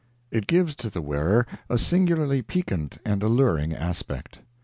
It gives to the wearer a singularly piquant and alluring aspect.